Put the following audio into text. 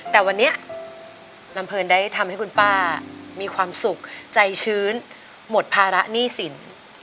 แต่วันนี้ลำเพลินได้ทำให้คุณป้ามีความสุขใจชื้นหมดภาระหนี้สิน